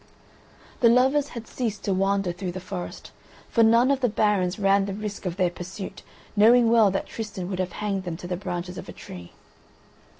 The lovers had ceased to wander through the forest, for none of the barons ran the risk of their pursuit knowing well that Tristan would have hanged them to the branches of a tree.